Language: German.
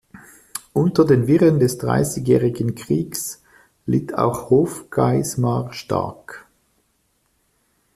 Unter den Wirren des Dreißigjährigen Kriegs litt auch Hofgeismar stark.